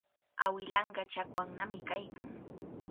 Awilanqa chakwannami kaykan.